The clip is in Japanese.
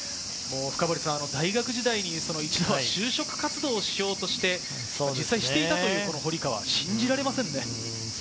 大学時代に一度は就職活動しようとして、実際していたという堀川、信じられませんね。